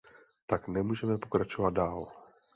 Tak nemůžeme pokračovat dál.